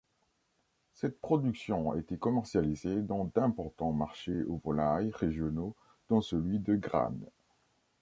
Cette production était commercialisée dans d’importants marchés aux volailles régionaux dont celui de Grane.